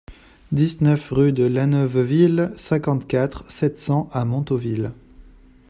dix-neuf rue de Laneuveville, cinquante-quatre, sept cents à Montauville